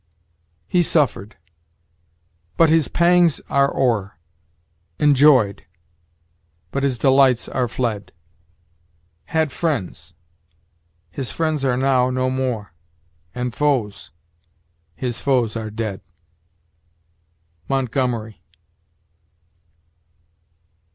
"He suffered but his pangs are o'er; Enjoyed but his delights are fled; Had friends his friends are now no more; And foes his foes are dead." Montgomery.